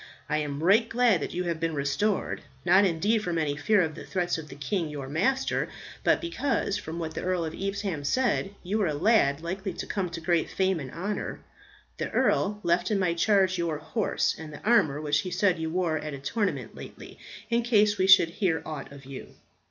I am right glad that you have been restored; not indeed from any fear of the threats of the king your master, but because, from what the Earl of Evesham said, you were a lad likely to come to great fame and honour. The earl left in my charge your horse, and the armour which he said you wore at a tournament lately, in case we should hear aught of you."